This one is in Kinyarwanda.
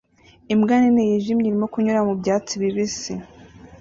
Imbwa nini yijimye irimo kunyura mu byatsi bibisi